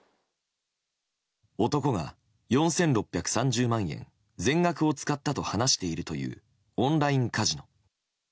男が４６３０万円全額を使ったと話しているというオンラインカジノ。